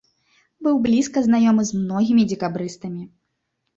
Быў блізка знаёмы з многімі дзекабрыстамі.